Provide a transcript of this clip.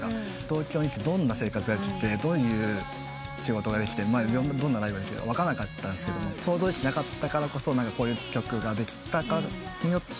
東京に来てどんな生活ができてどういう仕事ができてどんなライブができるか分かんなかったんですが想像できてなかったからこそこういう曲ができて。